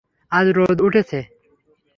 আজ রোদ উঠেছে।